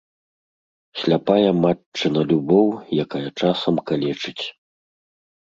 Сляпая матчына любоў, якая часам калечыць.